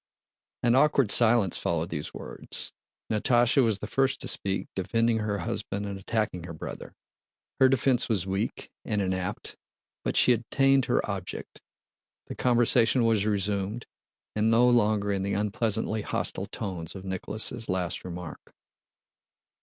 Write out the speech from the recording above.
An awkward silence followed these words. Natásha was the first to speak, defending her husband and attacking her brother. Her defense was weak and inapt but she attained her object. The conversation was resumed, and no longer in the unpleasantly hostile tone of Nicholas' last remark.